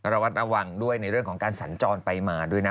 ระวัดระวังด้วยในเรื่องของการสัญจรไปมาด้วยนะ